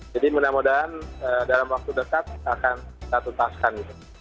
jadi mudah mudahan dalam waktu dekat akan kita tutaskan